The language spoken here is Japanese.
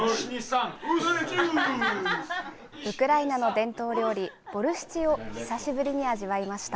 ウクライナの伝統料理、ボルシチを久しぶりに味わいました。